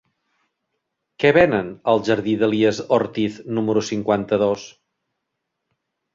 Què venen al jardí d'Elies Ortiz número cinquanta-dos?